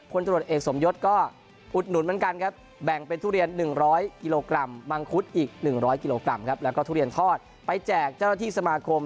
กิโลกรัมครับแล้วก็ทุเรียนทอดไปแจกเจ้าหน้าที่สมาคม